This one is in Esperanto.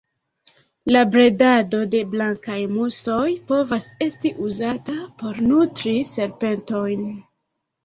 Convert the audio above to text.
La bredado de blankaj musoj povas esti uzata por nutri serpentojn.